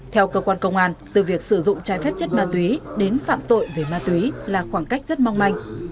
theo cơ quan công an từ việc sử dụng trái phép chất ma túy đến phạm tội về ma túy là khoảng cách rất mong manh